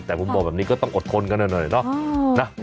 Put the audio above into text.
แต่ผมบอกแบบนี้ก็ต้องอดทนกันหน่อยเนาะ